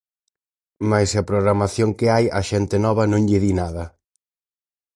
Mais se a programación que hai á xente nova non lle di nada.